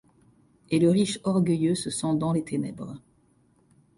Et le riche orgueilleux se sent dans les ténèbres